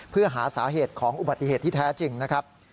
เพื่อหาสาเหตุของอุบัติเหตุที่แท้จริงนะครับ